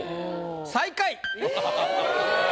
最下位。